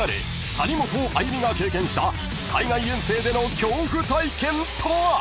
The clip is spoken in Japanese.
［谷本歩実が経験した海外遠征での恐怖体験とは？］